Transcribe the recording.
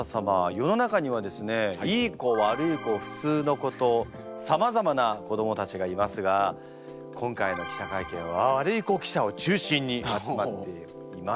世の中にはですねいい子悪い子普通の子とさまざまな子どもたちがいますが今回の記者会見はワルイコ記者を中心に集まっています。